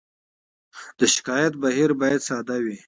د شکایت بهیر باید ساده وي.